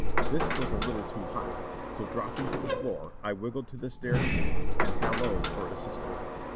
This was a little too hot, so dropping to the f^oor T wiggled to the staircase and halloed for assistance.